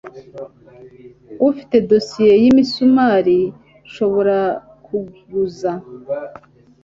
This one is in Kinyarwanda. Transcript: Ufite dosiye yimisumari nshobora kuguza?